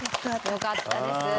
よかったです。